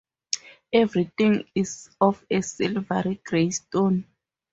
Everything is of a silvery grey stone.